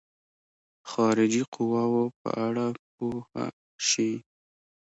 خارجي قواوو په اړه پوه شي.